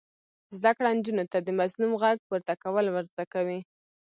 زده کړه نجونو ته د مظلوم غږ پورته کول ور زده کوي.